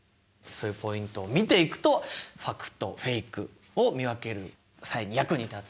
そういうポイントを見ていくとファクトフェイクを見分ける際に役に立つよと。